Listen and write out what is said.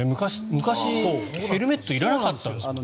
昔、ヘルメットいらなかったですもんね。